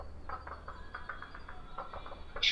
واک هم بايد له هغه چا سره وي، چي مصارف ئې کړي وي.